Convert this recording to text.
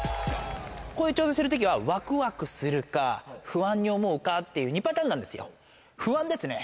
こういう挑戦するときは、わくわくするか不安に思うかっていう２パターンなんですよ。